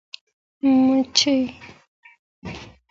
مېږی 🐜